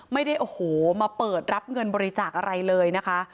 ไม่ได้โอ้โหมาเปิดรับเงินบริจาคอะไรเลยนะคะ